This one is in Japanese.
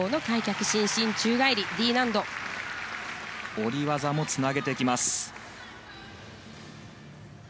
下り技もつなげてきます。